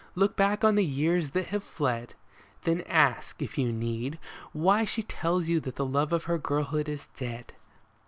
Look back on the years that have fled ; Then ask, if you need, why she tells you that the love of her girlhood is dead